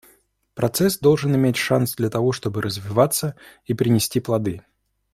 Процесс должен иметь шанс для того, чтобы развиваться и принести плоды.